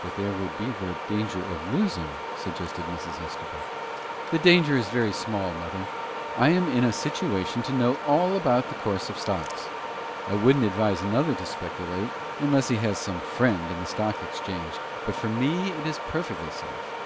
"But there would be the danger of losing," suggested Mrs. Estabrook. "That danger is very small, mother. I am in a situation to know all about the course of stocks. I wouldn't advise another to speculate, unless he has some friend in the Stock Exchange; but for me it is perfectly safe."